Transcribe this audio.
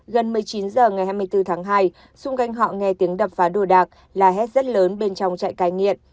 gần một mươi chín h ngày hai mươi bốn tháng hai xung quanh họ nghe tiếng đập phá đồ đạc là hét rất lớn bên trong trại cai nghiện